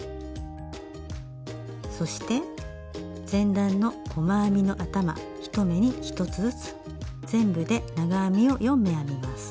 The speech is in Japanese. そして前段の細編みの頭１目に１つずつ全部で長編みを４目編みます。